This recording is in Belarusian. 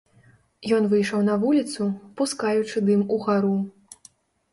Ён выйшаў на вуліцу, пускаючы дым угару.